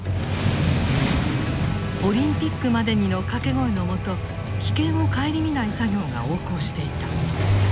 「オリンピックまでに」の掛け声のもと危険を顧みない作業が横行していた。